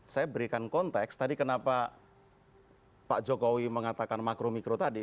saya berikan konteks tadi kenapa pak jokowi mengatakan makro mikro tadi